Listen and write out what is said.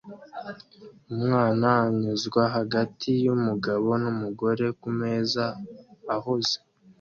Umwana anyuzwa hagati yumugabo numugore kumeza ahuze